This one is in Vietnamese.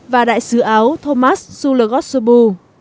và đại sứ áo thomas zulagosubu